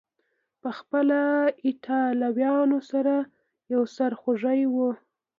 پخپله ایټالویانو ته یو سر خوږی و.